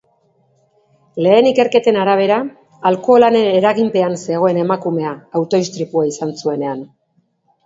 Lehen ikerketen arabera, alkoholaren eraginpean zegoen emakumea auto-istripua izan zuenean.